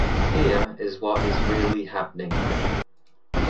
Here is what is really happening.